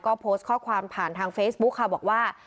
ก็โพสต์ข้อความผ่านทางเฟซบุ๊คค่ะบอกว่า